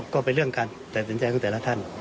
ก็เป็นเรื่องการตัดสินใจของแต่ละท่าน